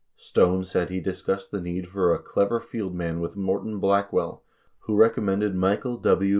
63 Stone said he discussed the need for a "clever fieldman" with Morton Blackwell, who recommended Michael W.